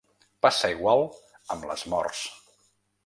Passa igual amb les morts.